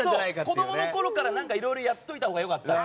子供のころからいろいろやっておいたほうが良かった。